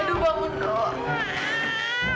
aduh bangun dong